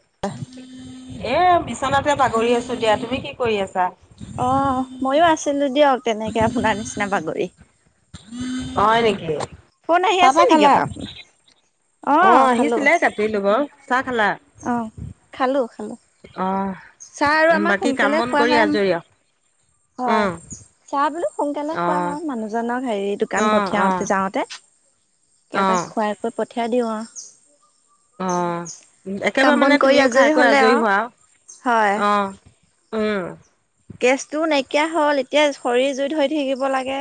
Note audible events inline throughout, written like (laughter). এ বিছনাতে পাগৰি আছো দিয়া, তুমি কি কৰি আছা? অ', মইয়ো আছিলো দিয়ক তেনেকে আপোনাৰ নিচিনা বাগৰি। হয় নেকি? ফোন আহি চাহ আছে তাহ নেকি খালা? আকৌ আপোনাৰ? অ অঁ, খালো। আহিছিলে কাটিলো বাৰু চাহ খালা? অহ, খালো। খালো অ', চাহ আৰু আমাক বাকী কাম সোনকালে বন খোৱা কৰি হয় আজৰি আৰু? অ হয়, চাহ বোলো সোনকালে অ খোৱা হয় মানুহজনক হেৰি অ দোকান অ পঠিয়াওতে যাওঁতে, অ তেওঁক আৰু খুৱাই কৰি প থিয়াই দিওঁ আৰু। অ', কাম একেবাৰে বন মানে কৰি তুমিও খাই কৈ হলে আজৰি আৰু হোৱা আও? হয় অহ, উম। গেছটোও নাইকিয়া হল, এতিয়া খৰীৰ জুইত ধৰি থাকিব লাগে।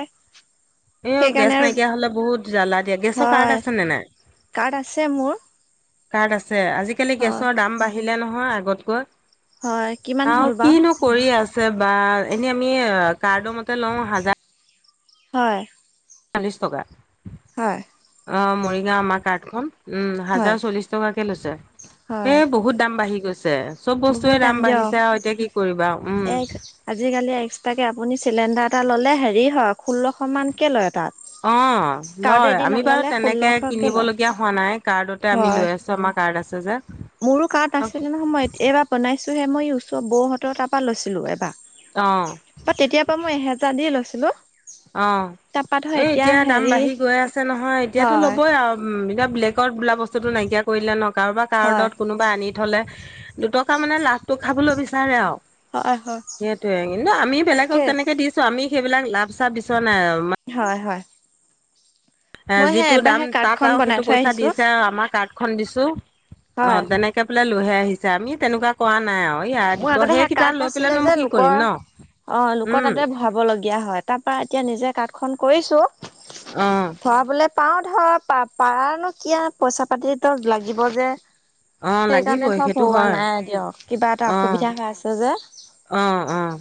এ অ', গেছ সেইকাৰণে আৰু নাইকিয়া হলে বহুত জ্বালা দিয়ে। গেছৰ হয় কাৰ্ড আছে নে নাই? কাৰ্ড আছে মোৰ। কাৰ্ড আছে! আজিকালি হয় গেছৰ দাম বাঢ়িলে নহয় আগতকৈ। হয় কিমান অহ, হ'ল বাৰু কিনো কৰি আছ ছে বা এনে আমি কাৰ্ড মতে লওঁ হাজাৰ হয়। চল্লিছ টকা। হয়। অ', মৰিগাঁও আমাৰ কাৰ্ডখন। উম, হয় হাজাৰ চল্লিশ টকাকে লৈছে। হয় এ বহুত দাম বাঢ়ি গৈছে। চব বস্তুৱে বহুত দাম দিয়ক বাঢ়িছে আৰু এতিয়া কি কৰিবা, উম। এক্সট্ৰাকৈ আপুনি চিলিণ্ডাৰ এটা ল'লে হেৰি হয় ষোল্লশমানকৈ লয়। তাত। অ', লয়। কাৰ্ডেদি আমি বাৰু নল'লে তেনেকে ষোল্লশকে কিনিব লয় লগীয়া হোৱা নাই কাৰ্ডতে আমি হয়। লৈ আছো আমাৰ কাৰ্ড আছে। যে মোৰো কাৰ্ড আছিলে নহয় এইবাৰ বনাইছোহে মই ওচৰৰ বৌহঁতৰ তাৰপ পৰা লৈছিলো এবাৰ। বা অ তেতিয়াৰ পৰা মই এহেজাৰ দিয়ে লৈছিলো। অহ। তাৰপা ধৰ এ এতিয়া দাম হেৰি বাঢ়ি গৈ আছে নহয় এতিয়াতো হয় ল'বই আৰু এতিয়া বেলেগত বোলা বস্তু বস্তুটো নাইকিয়া কৰিলে ন কাৰোবাৰ হয় কাৰ্ডত কোনোবাই আনি থলে দুটকা মানে লাভটো খাবলৈ বিচাৰে আৰু হয় হয় সেইটোয়ে কিন্তু আমি বেলেগক তাকে তেনেকে দিছো আমি সেইবিলাক লাভ চাপ হয় হয় মই সেই যিটো এবাৰ দাম সেই তাত কাৰ্ডখন আৰু বনাই সেইটো থৈ পইচা আহিছো দিছে আৰু আমাৰ কাৰ খুন্দিছো অ হয়। তেনেকে বোলে লৈহে আহিছে আমি তেনেকুৱা কোৱা নাই আৰু ইয় মোৰ দুত আগতে সেই কাৰ্ড কিতাপ লৈ পেল নাছিলে নো যে মই কি কৰিম লোকৰ ন অ লোকৰ উম তাতে ভৰাব লগীয়া হয় তাৰ পৰা এতিয়া নিজে কাঠ খন কৰিছো অহ। ভৰাবলে পাও ধৰা প পাৰনো কিয় পইচা পাতিতো লাগিব যে। অ সেইকাৰণে লাগিবই ধৰ সেইটো ভৰুৱা হয় নাই দিয়ক কিবা এটা অ অসুবিধা হৈ আছে যে। অ', অ',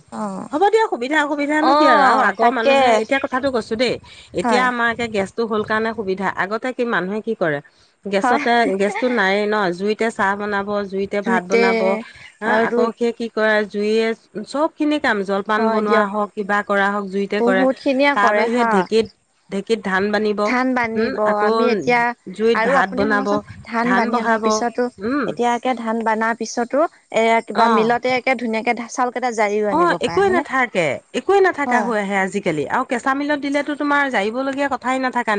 হ'ব দিয়া সুবিধা এতিয়া অসুবিধানো অ কি আৰু আগৰ তাকে মানুহে এতিয়া কথাটো কৈছো দেই এতিয়া হয় আমাৰে গেছ টো হল কাৰণে সুবিধা। আগতে কি মানুহে কি কৰে? হয় গেছতে, গেছটো নাইয়ে নহ, জুইত জুইতে চাহ বনাব জুইতে ভাত বনাব হা আৰু আকৌ সেই কি কৰে জুইয়ে চব খিনি কাম জলপান হয় বনোৱা দিয়ক হওক কিবা কৰা হওক জুইতে কৰে বহুত খিনিয়ে তাৰ কৰে বিে হা ঢেঁকীত ঢেঁকীত ধান বানিব ধান হম বান্ধিব আকৌ আমি এতিয়া জুইত আৰু ভাত আপুনি বনাব শুনকচোন ধান বান্ধি অনাৰ বহাব পিছতো উম এতিয়া একে ধান বনাৰ পিছতো এ কিবা অ মিলতেে ধুনীয়া কেচাল অ একোৱে নাথাকে একোৱয়ে নাথাককা হয়। হৈ আহে আজিকালি আৰু কেঁচা মিলত দিলেতো তোমাৰ যায়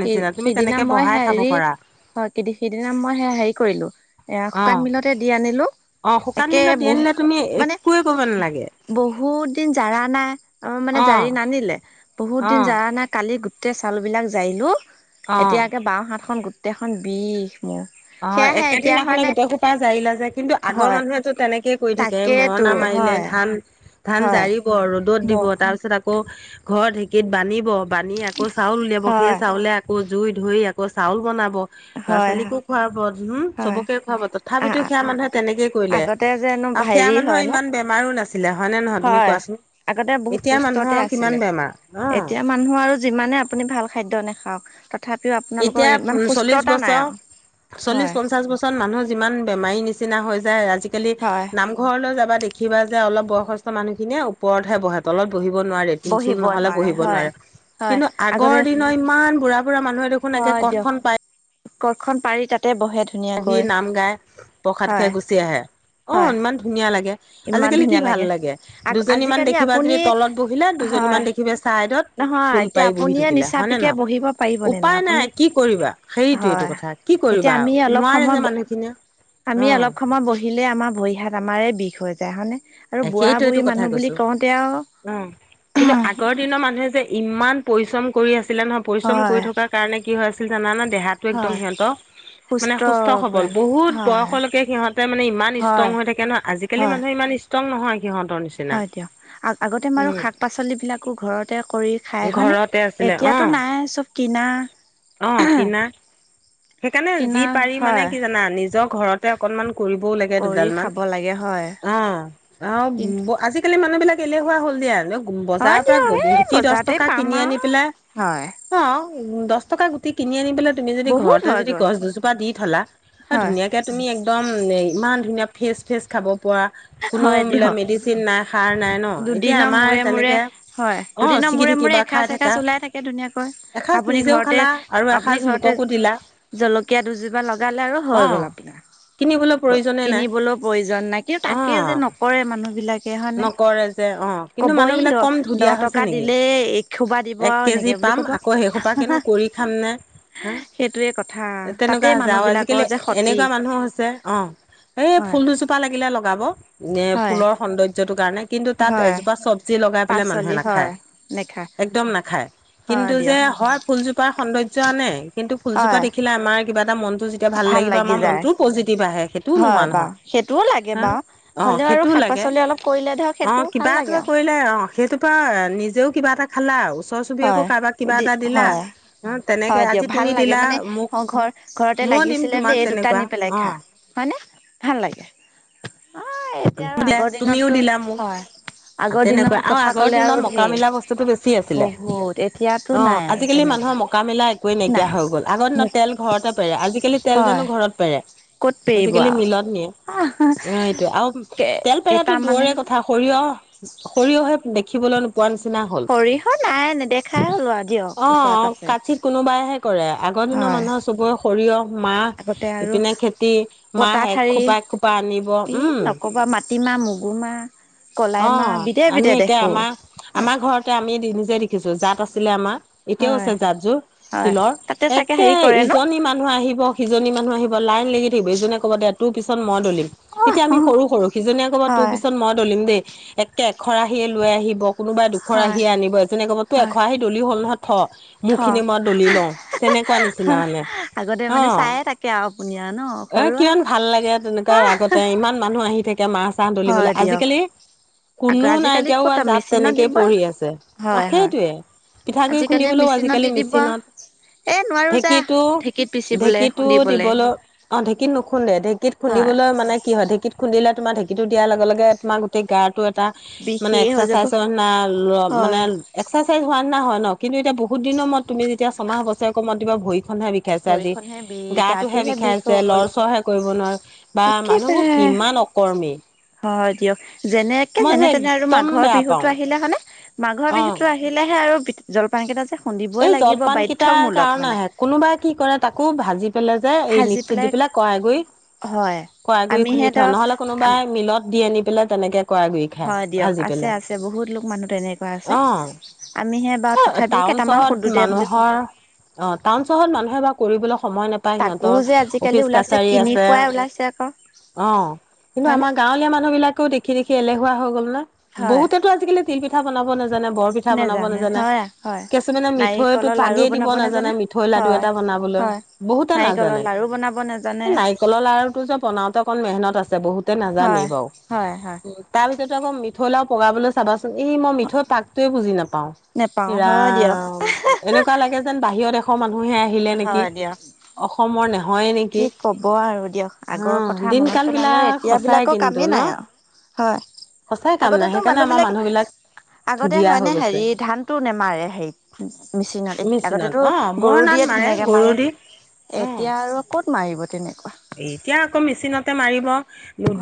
সে সিদিনা মই বহাই খাব হেৰি পাৰা হয় সিদিনা মই হেৰি কৰিলো এ অ শুকান মিলতে দি আনিলো অ শুকান একে মিলত দি বহু আনিলে তুমি মানে একোৱে কৰিব নালাগে বহুত দিন জৰাা নাই মানে অ জাৰি নানিলে বহুত অ দিন জৰা নাই কালি গো গোটেই চাউবিলাক যাৰিলোঁ অ এতিয়াকে বাওঁ হাতখন গোটেইখন বিষ মোৰ অ সেয়াহে এতিয়া একেদিনাখনে হয়নে গোটেই সোপা জাৰিলা যে কিন্তু আগৰ হয় মানুহেতটো তেনেকে কৰি থাকে তাকেইতো মৰণা মাৰি হয় ধান ধান হয় জাৰিব ৰ'দত ম দিব তাৰপিছত আকৌ ঘৰ ঢেঁকীত বান্ধিব বানি আকৌ চাউল উলিয়াব হয় সেই চাউলে আকৌ জুই ধুই আকৌ চাউল বনাব ল'ৰা হয় হয় ছোৱালীকো খুৱাব হম চবকে খুৱাব আ তথাপিতো সেয়া মানুহে তেনেকেই কৰিলে আগতে যেনো আৰু সেয়া হেৰি হয় মানুহৰ ন ইমান বেমাৰো নাছিলে হয় নে নহয় তুমি হয় কোৱাচোন আগতে বহুত এতিয়া মানুহৰ সুস্থতে কিমান আছিলে বেমাৰ অ এতিয়া মানুহ আৰু যিমানে আপুনি ভাল খাদ্য নেখায় তথাপিও আপোনালোকৰ ইমান ম সুস্থ আজিকালি হয় নামঘৰলৈ যাবা দেখিবা যে অলপ বয়সস্থ মানুহখিনিয়ে ওপৰত হে বহেত অলপ বহিব নোৱাৰে তুল চুল বহিব নহলে বহিব হয় নোৱাৰে হয় কিন্তু আগৰ আগতে দিনৰ ইমান বুঢা বুঢ়া মানুহ শুনকে কঠখন পায় কঠ খন পাৰি তাতে বহে পঢ়ি ধুনীয়াকৈ নাম গাই প্ৰসাদ খে হয় গুচি আহে আহ হয় ইমান ধুনীয়া লাগে ইমান আজিকালি কি ধুনীয়া ভাল লাগে আগ দুজনী মমান আজিকালি দেখিবা আপুনি যদি তলত বহিলে হয় দুজনীমান দেখিবা ছাইডত নহয় টোল এতিয়া পাৰি বহি আপুনিয়ে থাকিলে হয়নে নিচাপিকে নহ বহিব পাৰিব নে উপায় নাই আপুনি কি কৰিবা হেৰিটো এইটো হয়। কথা কি এতিয়া কৰিবা আমি আৰু অলপ সময় আমি অলপ সময় বহিলে আমাৰ ভৰি হাত আমাৰ বিষ হৈ যায় হয় ন সেইটোয়ো কথা কৈছো আৰু অ কিন্তু আগৰ দিনৰ মানুহে যে ইমান পৰিশ্ৰম কৰি আছে ছিলে নহয় পৰিশ্ৰম কৰি হয় থকাৰ কাৰণে কি হয় হৈ আছিল জানা না দেহাটো একদম হয় সিহঁত মানে সুস্থ সবল পুৰা। বহুত হয় বয়সলৈকে সিহঁতে মানে ইমান ষ্ট্ৰং হয় হৈ থাকে ন আজিকালি হয় মানুহে ইমান ষ্ট্ৰং নহয় সিহঁতৰ নিচিনা। হয় দিয়ক আগতে মাৰু উম। শাক পাচল বিিলাকো ঘৰতে কৰি খাই হয় ঘৰতে ন আছিলে অ', এতিয়াতো নাই চব কিনা অ', কিনা সেইকাৰণে কিনা যি পাৰি মানে হয় কি জানা নিজৰ ঘৰতে অকনমান কৰিবওঁ লাগে কৰি দুডালমান। খাব লাগে হয়। অ' কিন্তু আৰু আজিকালি মা মানুবিলাক এলেহুৱা হ'ল দিয়া। হয় বজাৰৰ পৰা দিয়ক এই গুটি দহ বজাৰতে টকা পাম কিনি আনি আৰু পেলাই। হয়। অ' উম দহ টকা গুটি কিনি আনি পেলাই তুমি যদি বহুত ঘৰত তে যদি হয়গৈ গছ দুজোপা দি থ'লা। হয় ধুনীয়াকে তুমি একদম, ইমান ধুনীয়া ফ্ৰেচ ফ্ৰেচ খাব পোৱা। কোনো হয় দিয়ক বোলে মেডিচিন নাই, সাৰ নাই ন? এতিয়া দুদিনৰ আমাৰ মূৰে মূৰে তেনেকে, হয় অ'। দুদিনৰ ছিগি মূৰে মূৰে থাকিবা খাই এসাঁজ থাকা এসাঁজ ওলাই থাকে ধুনীয়াকৈ। এসাঁজ আপুনি নিজেও ঘৰতে, খালা আৰু আপুনি এসাঁজ ঘৰতে লোককো দিলা জলকীয়া দুজোপা লগালে আৰু অ হৈ গ'ল আপোনাৰ কিনিবলৈ প্ৰয়োজনে নাই কিনিবলৈ প্ৰয়োজন নাই কিন্তু অ তাকে যে নকৰে মানুহ কি নকৰে যে অ কিন্তু মানুহ ই বিলাক দহ কম ধু দহ দিয়া হৈছে টকা নেকি দিলেই এসোপা দিব এক আৰু কেজি এনেকে বুলি পাম ক'ব আকৌ সেইসোপাাকনো কৰি খামনেে হা সেইটোৱে কথা তাতে তেনেকুৱা হৈছে মানুহ আৰু বিলাকৰ আজিকালি যে ক্ষতি এনেকুৱা মানুহ হৈছে অ এ হয় ফুল দুজোপা লাগিলে লগাব এ হয় ফুলৰ সৌন্দৰ্য কাৰণে কিন্তু তাত হয় এজোপা চব্জি লগাই পেলাই মানুহে পাচলি হয় নাখায় নেখায় একদম নাখায় হয় কিন্তু যে দিয়ক হয় ফুলজোপাৰ সৌন্দ্য আনে কিন্তু ফুলজোপা হয় দেখিলে আমাৰ কিবা এটা মন যেতিয়া ভাল লাগিব, লাগি আমাৰ যায়। মনটোও পজিটিভ আহে। সেইটোও নোহোৱা হয় বাৰু নহয়। সেইটোও লাগে হা বাৰু অ' হ'লেও আৰু সেইটোও শাক লাগে। পাচলি অলপ কৰিলে ধৰক অ' সেইটোও ভাল কিবা লাগে এটা আৰু কৰিলে, অ' সেইটোৰ পৰা নিজেও কিবা এটা খালা। ওচ ওচৰ চুবুৰীয়াকো হয় কাবাক কিবা এটা দিলা। হয় উম তেনেকে হয় আজি দিয়ক ভাল তুমি লাগে দিলা মানে মোক অ ঘৰ ঘৰতে মই দিম লাগিছিলে বোলে তোমাক এই দুটা তেনেকুৱা। নি পেলাই খা অ' হয়নে? ভাল লাগে। অ' এতিয়া আৰু দিয়া আগৰ তুমিও দিনতটো, দিলা মোক হয়। আগৰ তেনেকুৱা দিনত আৰু কথা আগৰ কলে আৰু দিনত মকা ঢেৰ। মিলা বস্তুটো বেছি আছিলে বহুত এতিয়াতো অ' নাই আৰু আজিকালি মানুহৰ তেনেকুৱা মকা মিলা একোৱেই নাইকিয়া নাই হৈ গ'ল। আগৰ দিনত মোক তেল ঘৰতে পেৰে, আজিকালি তেল যেন হয় ঘৰত পেৰে। ক'ত পেৰিব আজিকালি আৰু মিলত নিয়ে। আহ অ' এইটোয়ে আৰু তেলপেৰাতো কেইটামানে দূৰৰে কথা। সৰিয়হ, সৰিয়হে দেখিবলৈ নোপোৱা নিচিনা হ'ল। সৰিয়হ নাই নেদেখাই হ'লো আৰু দিয়ক ওচৰে অ' পাজৰে কাতচিৎ কোনোবাইহে কৰে। আগৰ দিনৰ হয় মানুহৰ চবৰে সৰিয়হ মাহ, আগতে আৰু ইপিনে খেতি পতা মাহ এক ঠাৰি খোপা, এক খোপা আনিব। ই উম। নকবা মাটিমাহ, মগুমাহ কলাই মাহ অ' বিধে আমি বিধে এতিয়া দেখো আমাৰ, আমাৰ ঘৰতে আমি নিজে দেখিছো। জাত আছিলে আমাৰ। এতিয়াও হয় আছে জাতযোৰ হয় শিলৰ। তাতে চাগে একে হেৰি কৰে ন ইজনী মানুহ আহিব, সিজনী মানুহ আহিব লাইন লাগি থাকিব। ইজনীয়ে ক'ব, দে তোৰ পিছত মই দলিম। অ তেতিয়া আমি সৰু সৰু। সিজনীয়ে ক'ব, তোৰ হয় পিছত মই দলিম দেই। একে এখৰাহিয়ে লৈ আহিব। কোনোবাই হয় দুখৰাহিয়ে আনিব। এজনীয়ে ক'ব, তোৰ হয় এখৰাহি দলি হ'ল নহ থ, থ মোৰ খিনি মই দলি লওঁ। তেনেকুৱা নিচিনা মানে। আগতে অ'। মানে চায়ে থাকে আৰু আপুনি আৰু ন অ' সৰুৱা কিমান ভাল লাগে তেনেকুৱা আগতে। ইমান মানুহ আহি থাকে। এতিয়া মাহ চাহ দলিবলৈ। হয় দিয়ক আজিকালি আগ কোনো নাই আজিকালি এতিয়া, সৌৱা ক'ত জাত মেচিনত তেনেকেই দিব পৰি আছে। অ' হয় হয় সেইটোয়ে। পিঠাগুড়ি আজিকালি খুন্দিবলৈও মেচিনত আজিকালি দি দিব মেচিনত এ নোৱাৰো যা ঢেঁকীটো, ঢেঁকীত পিচিবলে ঢেঁকীটো খুন্দিবলে দিবলৈ। অ' ঢেঁকীত নুখুন্দে। ঢেঁকীত খুন্দি হয় বলৈ মানে কি হয়। ঢেঁকীত খুন্দিলে তোমাৰ ঢেঁকিটো দিয়াৰ লগে লগে তোমাৰ গোটেই গা মানে বিষেই হৈ এক্চাইৰ যাব মানে হয় (unintelligible) হোৱা (unintelligible) নহয় ন? কিন্তু এতিয়া বহুত দিনৰ মূৰত তুমি যেতিয়া ছমাহ বছৰেকৰ মূৰত দিবা ভৰি বিষাইছে আজি। ভৰিখনহে বিষ গাতোহে গাটোহে বিষ বিষাইছে, হ'ল লৰ মোৰ চৰহে কৰিব নোৱাৰো। বা মানুহবোৰ কি একেবাৰে ইমান অকৰ্মী হয় দিয়ক। যেনেকে মই যেনে যে তেনে আৰু একদম মাঘৰ বেয়া পাওঁ বিহুতটো আহিলে মানে মাঘৰ অ বিহুটো আহিলেহে আৰু জলপান কেইটা যে খুন্দিবই এই লাগিব জলপান কেইটাৰ বাধ্যয়মূলক মানে কাৰণেহে। কোনোবাই কি কৰে তাকো ভাজি পেলাই যে এই মিক্সিত দি পেলাই, কড়াইগুড়ি হয় কড়াইগুৰি আমিহে খুন্দি ত থয়। নহ'লে কোনোবাই মিলত দি আনি পেলাই তেনেকে কৰাই গুৰি খায় হয় দিয়ক। ভাজি আছে পেলাই আছে বহুত লোক মানুহ তেনেকুৱা আছে। অ আমি হে বা তথাপিও টাউন কেইটামান চহৰত খুন্দো দে বুলি মানুহৰ খুন্দো। অ টাউন চহৰত মানুহে বা কৰিবলৈ সময় নাপায়। তাকো সিহঁতৰ যে আজিকালি অফিচ ওলাইছে কাছাৰী কিনি আছে খুৱাই ওলাইছে আকৌ অ কিন্তু হয়নে আমাৰ গাঁৱলীয়া মানুহ বিলাকে দেখি দেখি এলেহুৱা হৈ গ'ল না। হয় বহুতেটো আজিকালি তিলি পিঠা বনাব নাজানে, বৰ পিঠা বনাব নেজানে নাজানে। হয় হয় কিছুমানে মিঠৈতটো নাৰিকলৰ লাৰু পাগেই দিব বনাব নাজানে, মিঠৈ লাডু হয় এটা বনাবলৈ। হয় বহুতে না নাৰিকলৰ লাৰু বনাব নাজানে নাৰিকলৰ লাৰু তোৰ যে বনাওতে অকণ মেহনত আছে বহুতে হয় নাজানেই বাৰু। হয় হয় তাতে আকৌ আকৌ মিঠৈ লাৰু পগাবলৈ চাবাচোন। এই মই মিঠৈৰ পাকটোয়ে বুজি নাপাওঁ। নেপাওঁ হয় দিয়ক ৰাম। এনেকুৱা লাগে যেন বাহিৰৰ দেশৰ মানুহহে আহিলে নেকি? হয় দিয়ক অসমৰ নে কি কব আৰু দিয়ক। আগৰ অ' কথা দিন মনত কাল পেলালে বিলাক এতিয়া সঁচাই বিলাকৰ কিন্তু কামেই ন। নাই আৰু। হয়। সঁচাই কাম নাই আগতেতো সেইকাৰণে মানুহ আমাৰ বিলাকে, বিলাক আগতে ধুনীয়া হয় হৈ নে গৈছে। হেৰি ধানটো টো নেমাৰে হেৰিত মেচিনত। আগতেতো অ' গৰু মৰণাত দিয়ে ধুনীয়াকে গৰু মাৰে। দি অ'। এতিয়া আৰু ক'ত মাৰিব তেনেকৈ (unintelligible) এতিয়া আকৌ মেচিনতে মাৰিব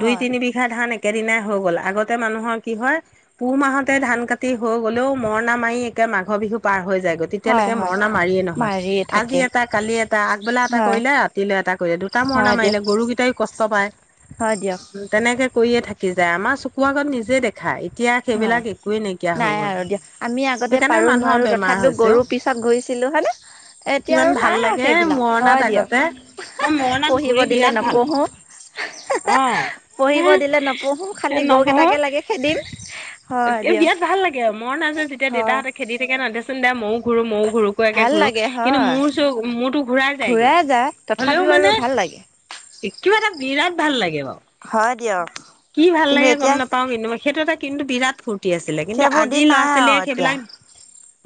দুই হয় তিনি বিঘা ধান এক একেদিনাই হৈ গ'ল। আগতে মানুহৰ কি হয় পুহ মাহতে ধান কাটি হৈ গলেও মৰণা মাৰি একে মাঘৰ বিহু পাৰ হৈ যায় গতিকে হয় লৈকে হয় মৰণা মাৰিয়ে নহয় মাৰিয়ে আজি থাকে এটা কালি এটা আগবেলা এটা হয় কৰিলে ৰাতি এটা কৰিলে মৰণা হয় দিয়ক মাৰিলে গৰুকেইটাই কষ্ট পায়। হয় দিয়ক তেনে তেনেকে কৰিয়ে থাকি যায়। আমাৰ চকু আগত নিজে দেখা এতিয়া হয় সেইবিলাক একোৱেই নাইকিয়া হৈ নাই গ'ল আৰু দিয়া। আমি আগতে সেইকাৰণে পাৰো মানুহৰ নোৱাৰো বেমাৰ তথাপো হৈছে অ গৰু পিছত গৈছে হয় ন? এতিয়া কিমান আৰু ভাল নাই আৰু লাগে সেইবিলাক। মৰণাত হয় আগতে মই মৰণাত পঢ়িব ঘূৰি দিলে বিৰাট ভাল নপঢ়ো পাওঁ অ পঢ়িব হে দিলে নপঢ়ো। খালি গৰুক এটাকে লাগে খেদিম। হয় দিয়ক বিৰাত ভাল লাগে আৰু মৰণা যেতিয়া হয় দেউতাহঁতে খেদি থাকে নহ, দেচোন দে ময়ও ঘূ ময়ো ঘূৰো ভাল লাগে কিন্তু হয় মোৰ চ মোৰতো ঘূৰাই যায়গে যায় হ'লেও তথাপিও আৰু মানে ভাল লাগে কিবা এটা বিৰাট ভাল লাগে বাৰু। হয়। দিয়ক কি ভাল কিন্তু লাগে গ'ম এতিয়া নাপাও কিন্তু মই সেইটো এটা কিন্তু বিৰাট ফু আছিলে। কিন্তু সেইবোৰ আজি দিন ল'ৰা নাই আৰু ছোৱালীয়ে এতিয়া সেইবিলাক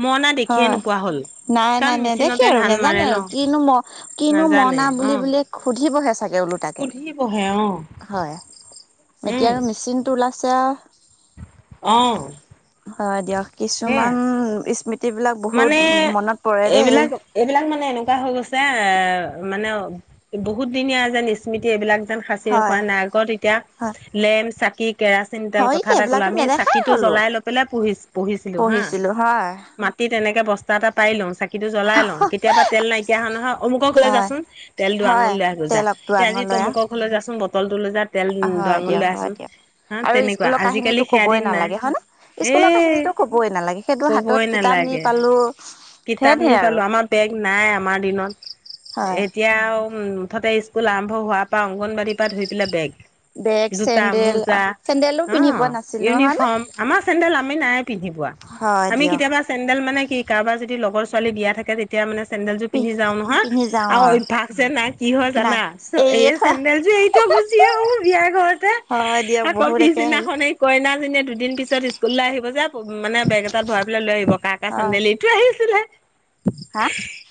মৰণা দেখিয়ে হয় নোপোৱা হ'ল। নাই নাই কাৰণ নাই মেচিনতে নেদেখে আৰু ধান মাৰে নোজানে ন আৰু কিনো ম কিনো নাজানে মৰণা অ বুলি বুললে সুধিবহে চাকে ওলো তাকে। সুধি পঢ়ে অ হয়। এতিয়া উম আৰু মেচিন টো ওলাইছে অ হয় দিয়ক। কিছুমান সেয়াই স্মৃতি মানে এইবিলাক এইবিলাক মানে এনেকুৱা হৈ গৈছে এ মানে বহুত দিনীয়া যেন স্মৃতি এইবিলাক সচি হয় ৰখা নাই। আগত এতিয়া হয় লেম, চাকি, কেৰাচিন তেল হয় কথা এটা কলো এইবিলাকতো আমি নেদেখাই চাকি হলো জলাই লৈ পেলাই পঢি বহিছিলো হা। পঢ়িছিলো হয়। তেনেকে বস্তা এটা পাই লওঁ চ কিন্তু জ্বলাই লওঁ। কেতিয়াবা তেল নাইকিয়া হয় নহয় অমুকৰ ঘৰলে হয় যাচোন, তেল দু হয় আঙুল লৈ আহ যা। তেল এই আজি অকটোৱাঙলয়া তমুক ঘৰলে যা চোন হয় দিয়ক, হয় দিয়ক হা আৰু তেনেকুৱা স্কুলৰ আজিকালি কাহিনীতো সেয়া কবই দিন নাই নালাগে। হয় নে? এ স্কুলৰ কাহিনীতো কবই নালাগে। সেইটো হাতত কবই কিতাপ নি নালাগে পালো ধেৰ কিতাপ নি ধেৰ আৰু পালো। আমাৰ বেগ নাই, আমাৰ দিনত। হয় এতিয়াও মুঠতে স্কুল আৰম্ভ হোৱাৰ পৰা অংগনবাড়ীৰ পৰা ধৰি পেলাই বেগ। বেগ জোতা, চেন্দেল মোজা চেন্দেলো অ পিন্ধি পোৱা নাছিলো হয়নে ইউনিফৰ্ম। আমাৰ চেন্দেল আমি নাই পিন্ধি। হয় আমি দিয়ক কেতিয়াবা চেডেল মানে কি কাৰোবাৰ যদি লগৰ ছোৱালী দিয়া থাকে, তেতিয়া মানে চেন্দেল যোৰ পি পিন্ধি যাও নহয় পিন্ধি যাওঁ আৰু অভাস যে নাই কি হয় নাই জানা? এই এয়ে থৈ চেন্দেল যোৰ এৰি গুি আহও বিয়াৰ ঘৰতে হয় দিয়ক আৰু বহুত একে হেৰি কফিচিনাখন স কইনা চ। দুদিন পিছত স্কুললৈ আহিব যে মানে বেগ এটাত ভৰাই পেলাই লৈ আহিব কা কা হয় চেন্দেলি এইটো আহি। হা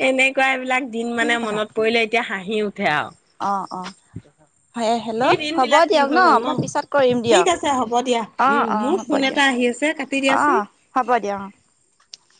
এনেকুৱা এইবিলাক দিন মানে মনত পৰিলে এতিয়া হাঁহি উঠে আৰু। অ অ। কি হেল্ল' দিন হ'ব বিলাক কি দিয়ক হৈ ন গ'ল মই পিছত কৰিম ঠিক দিয়ক আছে হ'ব দিয়া অঁ উম অঁ মোৰ হ'ব ফোন এটা দিয়ক। আহি আছে কাটি অ দিয়াচোন হ'ব দিয়া। (inaudible)